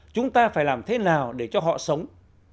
chúng ta phải làm thế nào để cho họ sống